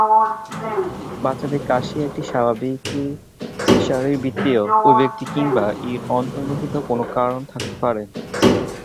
বাচ্চাদের কাশি সাধারণত একটি স্বাভাবিক শারীরবৃত্তীয় অভিব্যক্তি কিংবা এর অন্তর্নিহিত কোনো কারণ থাকতে পারে।